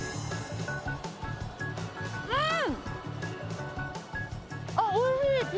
うん！